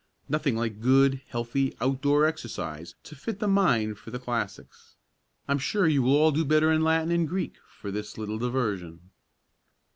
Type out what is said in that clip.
"Nothing like good, healthy out door exercise to fit the mind for the classics. I'm sure you will all do better in Latin and Greek for this little diversion."